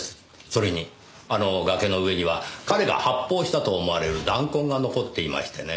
それにあの崖の上には彼が発砲したと思われる弾痕が残っていましてね。